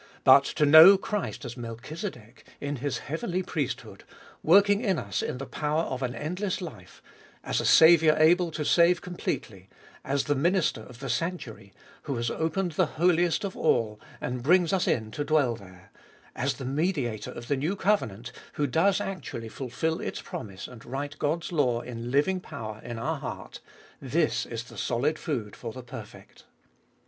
But to know Christ as Melchizedek in His heavenly priesthood, working in us in the power of an endless life ; as a Saviour able to save completely ; as the minister of the sanctuary, who has opened the Holiest of All, and brings us in to dwell there ; as the Mediator of the new covenant, who does actually fulfil its promise and write God's law in living power in our heart ;— this is the solid food for the perfect.